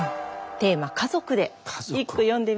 テーマ「家族」で一句詠んでみてください。